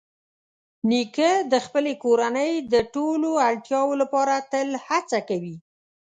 نیکه د خپلې کورنۍ د ټولو اړتیاوو لپاره تل هڅه کوي.